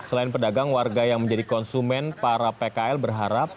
selain pedagang warga yang menjadi konsumen para pkl berharap